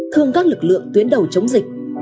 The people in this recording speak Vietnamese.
thương các lực lượng tuyến đầu chống dịch